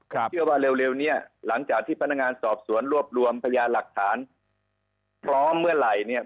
ผมเชื่อว่าเร็วเนี่ยหลังจากที่พนักงานสอบสวนรวบรวมพยานหลักฐานพร้อมเมื่อไหร่เนี่ย